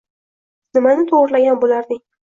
nimani to‘g‘irlagan bo‘larding?